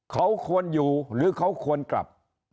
เขาควรอยู่หรือเขาควรกลับ